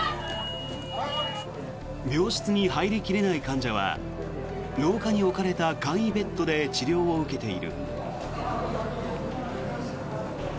病室に入り切れない患者は廊下に置かれた簡易ベッドで治療を受けている。